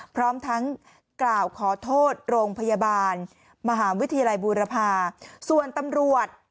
พร้อมทั้งกล่าวขอโทษโรงพยาบาลมหาวิทยาลัยบูรพาส่วนตำรวจ